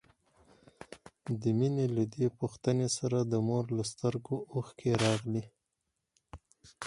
د مينې له دې پوښتنې سره د مور له سترګو اوښکې راغلې.